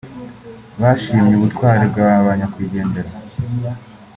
Bashimye ubutwari bwa Banyakwigendera